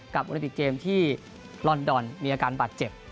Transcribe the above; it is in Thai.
โอลิปิกเกมที่ลอนดอนมีอาการบาดเจ็บ